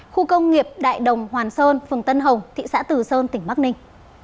khu công nghiệp đại đồng hoàn sơn phường tân hồng thị xã từ sơn tỉnh mắc ninh